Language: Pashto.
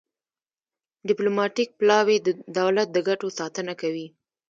ډیپلوماتیک پلاوی د دولت د ګټو ساتنه کوي